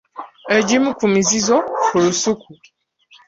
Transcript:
Egimu ku mizizo ku lusuku.